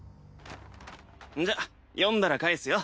んじゃ読んだら返すよ。